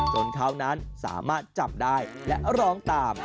จนเขานั้นสามารถจับได้และร้องตาม